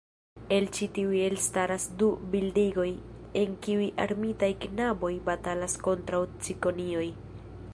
El ĉi tiuj elstaras du bildigoj, en kiuj armitaj knaboj batalas kontraŭ cikonioj.